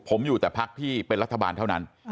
ผมอยู่แต่พักที่เป็นรัฐบาลเท่านั้น